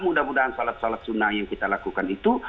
mudah mudahan sholat sholat sunnah yang kita lakukan itu